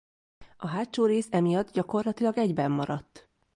A hátsó rész emiatt gyakorlatilag egyben maradt.